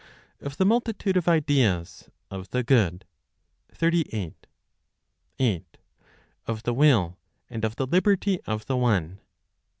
Of the Multitude of Ideas. Of the Good, 38. 8. Of the Will, and of the Liberty of the One, 39.